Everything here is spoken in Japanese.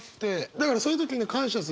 だからそういう時に感謝するね。